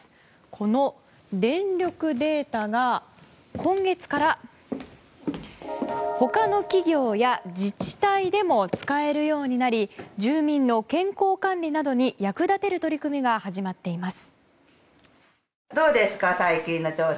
この電力データが今月から他の企業や自治体でも使えるようになり住民の健康管理などに役立てる取り組みが始まっています。